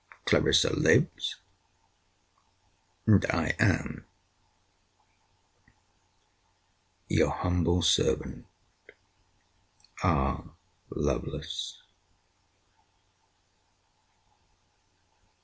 Clarissa lives. And I am Your humble servant, R. LOVELACE.